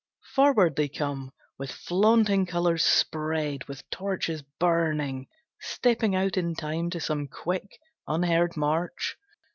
Forward they come, with flaunting colours spread, With torches burning, stepping out in time To some quick, unheard march.